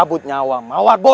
dan menangkan mereka